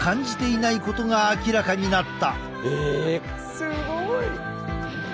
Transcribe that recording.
すごい！